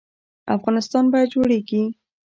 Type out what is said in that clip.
افغانستان به جوړیږي؟